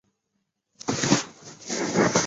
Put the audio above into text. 爆炸当场炸死一名儿童和一名保安。